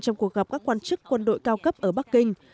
trong cuộc gặp các quan chức quân đội cao cấp ở bắc kinh